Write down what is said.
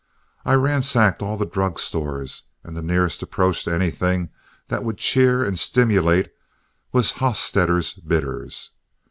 I ransacked all the drug stores, and the nearest approach to anything that would cheer and stimulate was Hostetter's Bitters.